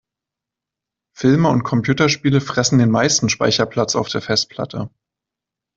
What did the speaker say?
Filme und Computerspiele fressen den meisten Speicherplatz auf der Festplatte.